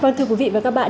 vâng thưa quý vị và các bạn